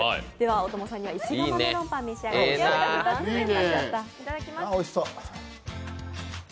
大友さんには石窯メロンパンを召し上がっていただきます。